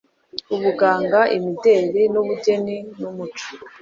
ubuganga, imideli n'ubugeni numuco.